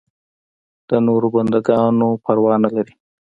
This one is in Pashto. د نورو بنده ګانو پروا نه لري.